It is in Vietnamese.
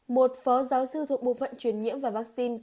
một phó giáo sư thuộc bộ phận truyền nhiễm và vaccine